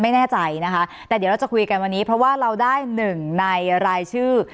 ไม่แน่ใจนะคะแต่เดี๋ยวเราจะคุยกันวันนี้เพราะว่าเราได้หนึ่งในรายชื่อ